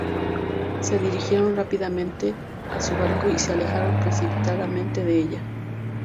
Se dirigieron rápidamente a su barco y se alejaron precipitadamente de ella.